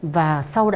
và sau đó